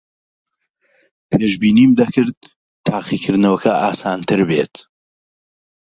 پێشبینیم دەکرد تاقیکردنەوەکە ئاسانتر بێت.